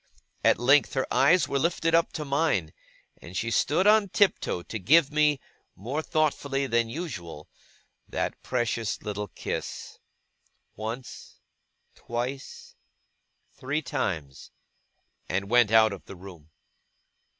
At length her eyes were lifted up to mine, and she stood on tiptoe to give me, more thoughtfully than usual, that precious little kiss once, twice, three times and went out of the room.